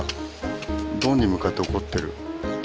ドンに向かって怒ってる。